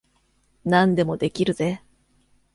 何でもできるぜ。